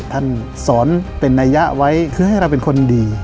ท่านสอนเป็นนัยยะไว้คือให้เราเป็นคนดี